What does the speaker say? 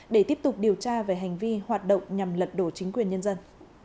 để tiếp tục điều tra về hành vi hoạt động nhằm lật đổ chính quyền nhân dân